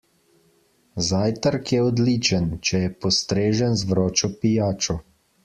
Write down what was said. Zajtrk je odličen, če je postrežen z vročo pijačo.